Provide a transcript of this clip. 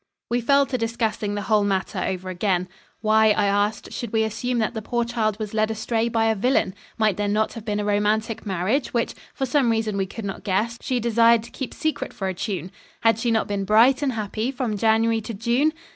We fell to discussing the whole matter over again. Why, I asked, should we assume that the poor child was led astray by a villain? Might there not have been a romantic marriage which, for some reason we could not guess, she desired to keep secret for a time? Had she not been bright and happy from January to June?